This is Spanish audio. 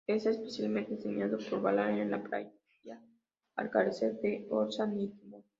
Está especialmente diseñado para varar en la playa al carecer de orza ni timón.